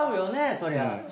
そりゃ。